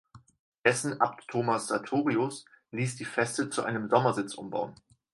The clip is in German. Dessen Abt Thomas Sartorius ließ die Feste zu einem Sommersitz umbauen.